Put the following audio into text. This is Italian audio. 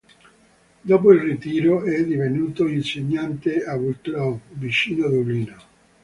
Dopo il ritiro è divenuto insegnante a Wicklow, vicino Dublino.